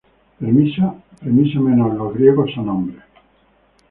Premisa menor: Los griegos son hombres.